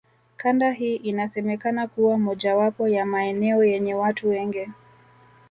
Kanda hii inasemekana kuwa mojawapo ya maeneo yenye watu wengi